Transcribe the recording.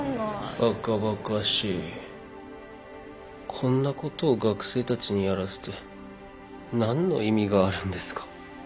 こんなことを学生たちにやらせて何の意味があるんですか？